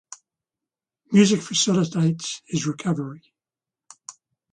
Music facilitates his recovery.